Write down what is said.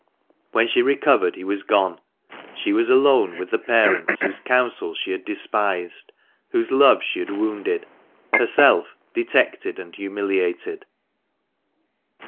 When she recovered he was gone ; she was alone with the parents whose counsels she had despised, whose love she had wounded ; herself detected and humiliated.